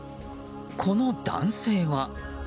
この男性は。